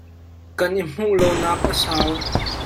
Kan i hmuh lonak a sau.